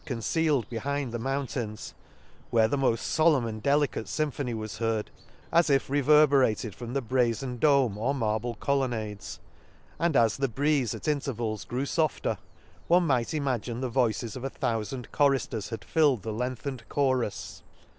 77 concealed behind the mountains, where the moft folemn and delicate fymphony was heard, as if reverberated from the brazen dome, or marble colonades ; and as the breeze at intervals grew fofter, one might imagine the voices of a thou fand choirifters had filled the lengthened chorus.